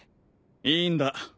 いいんだ。